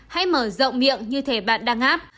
hãy mở rộng miệng như thế bạn đang ngáp